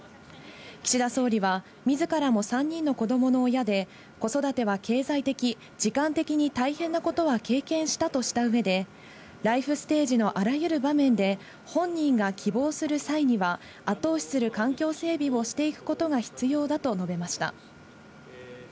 岸田総理は自らも３人の子供の親で、子育ては経済的、時間的に大変なことは経験したとした上で、ライフステージのあらゆる場面で本人が希望する際には後押しする環境整備をしていくことが必要だと述べました。